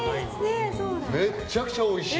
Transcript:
めっちゃくちゃおいしい。